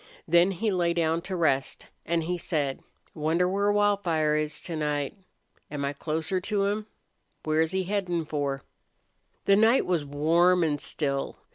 Then he lay down to rest, and he said: "Wonder where Wildfire is to night? Am I closer to him? Where's he headin' for?" The night was warm and still.